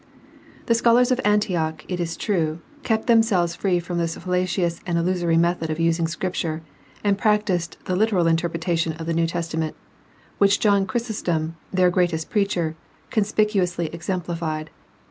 The scholars of Antioch, it is true, kept themselves free from this fallacious and illusory method of using Scripture and practiced the literal interpretation of the New Testament, which John Chrysostom, their greatest preacher, conspicu ously exemplified.